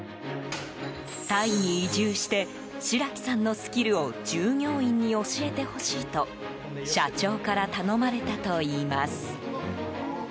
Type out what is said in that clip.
タイに移住して白木さんのスキルを従業員に教えてほしいと社長から頼まれたといいます。